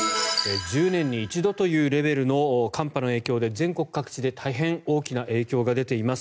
１０年に一度というレベルの寒波の影響で全国各地で大変大きな影響が出ています。